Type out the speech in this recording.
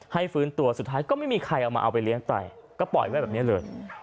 ฟื้นตัวสุดท้ายก็ไม่มีใครเอามาเอาไปเลี้ยงไตก็ปล่อยไว้แบบนี้เลย